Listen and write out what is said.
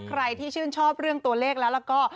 ใครที่ชื่นชอบเรื่องตัวเลขแล้วแล้วก็